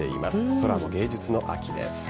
空も芸術の秋です。